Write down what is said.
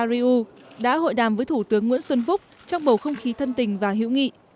carlos agustinu duro rariu đã hội đàm với thủ tướng nguyễn xuân phúc trong bầu không khí thân tình và hữu nghị